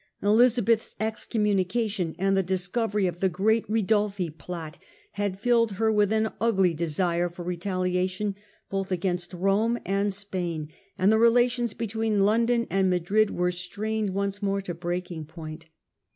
Elizabeth's excommunication, and the discovery of the great Ridolphi plot, had filled her with an ugly desire for retaliation both against Borne and Spain, and the relations between London and Madrid were strained once more to breaking point.